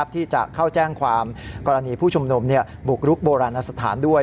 ที่จะเข้าแจ้งความกรณีผู้ชุมนุมบุกรุกโบราณสถานด้วย